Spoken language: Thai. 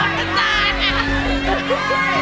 มันน่ะจ๊ะ